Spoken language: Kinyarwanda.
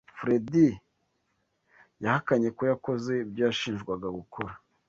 Fredy yahakanye ko yakoze ibyo yashinjwaga gukora.